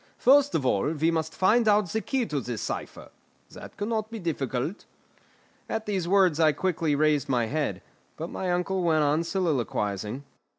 "First of all we must find out the key to this cipher; that cannot be difficult." At these words I quickly raised my head; but my uncle went on soliloquising.